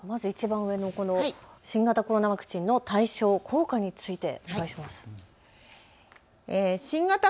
まずいちばん上、コロナワクチンの対象、効果についてお願いします。